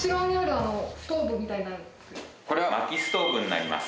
これは薪ストーブになります。